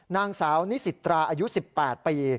นางสาวนิสิตราอายุ๑๘ปี